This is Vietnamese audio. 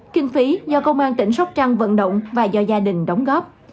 kinh phí do công an tỉnh sóc trăng vận động và do gia đình đóng góp